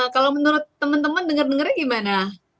kalau menurut teman teman dengar dengarnya gimana